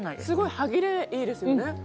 すごい歯切れいいですよね。